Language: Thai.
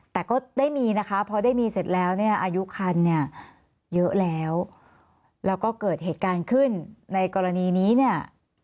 แต่ก็ได้มีนะคะพอได้มีเสร็จแล้วเนี่ยอายุคันเนี่ยเยอะแล้วแล้วก็เกิดเหตุการณ์ขึ้นในกรณีนี้เนี่ย